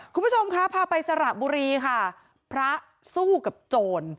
คุณผู้ชมคะพาไปสระบุรีค่ะพระสู้กับโจร